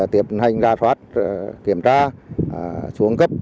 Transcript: tiếp hành rà soát kiểm tra xuống cấp